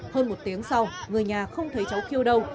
hơn một tiếng sau người nhà không thấy cháu kêu đâu